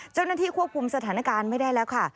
เจ้าหน้าที่ควบคุมสถานการณ์ไม่ได้แล้วค่ะ